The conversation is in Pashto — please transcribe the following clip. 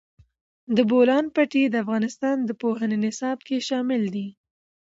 د بولان پټي د افغانستان د پوهنې نصاب کې شامل دي.